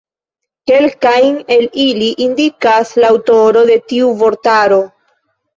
Kelkajn el ili indikas la aŭtoro de tiu vortaro.